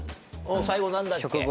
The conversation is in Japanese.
最後何だっけ？